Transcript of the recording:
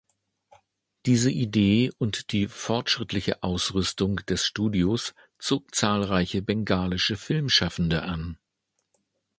Diese Idee und die fortschrittliche Ausrüstung des Studios zog zahlreiche bengalische Filmschaffende an.